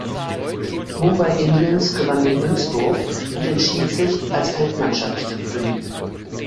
Mumbai Indians gewann den Münzwurf und entschied sich als Feldmannschaft zu beginnen.